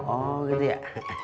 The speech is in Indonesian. oh gitu ya